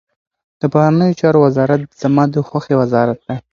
د بهرنیو چارو وزارت زما د خوښي وزارت دی.